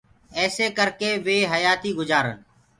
ايسي ڪر ڪي وي حيآتي گُجارن۔